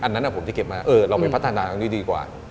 อันนั้นผมจะเก็บมาเราไปพัฒนาตรงนี้ดีกว่า